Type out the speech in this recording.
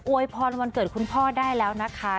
วยพรวันเกิดคุณพ่อได้แล้วนะคะ